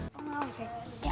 cái này bao nhiêu à